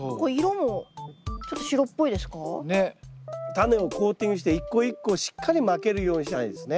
タネをコーティングして一個一個しっかりまけるようにしたタネですね。